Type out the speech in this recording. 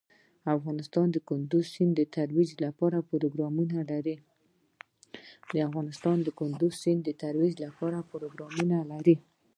افغانستان د کندز سیند د ترویج لپاره پروګرامونه لري.